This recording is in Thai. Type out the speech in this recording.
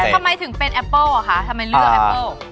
ทำไมถึงเป็นแอปเปิ้ลอ่ะคะทำไมเลือกแอปเปิ้ล